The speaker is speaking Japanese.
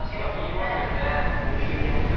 お店によって。